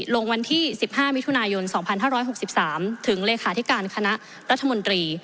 ลงวันที่๑๕มิถุนายน๒๕๖๓ถึงเลขาธิการคณะรัฐมนตรี